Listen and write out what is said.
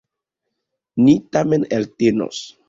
Ni tamen eltenos.